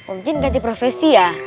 om jin ganti profesi ya